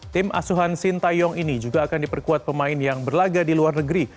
tim asuhan sintayong ini juga akan diperkuat pemain yang berlaga di luar negeri